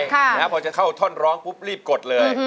พอจะเข้าในขำโท่นร้องก็รีบกดเลย